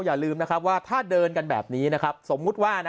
อย่าลืมนะครับว่าถ้าเดินกันแบบนี้นะครับสมมุติว่า